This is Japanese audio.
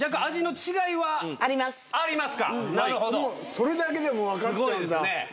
それだけでもう分かっちゃうんだ。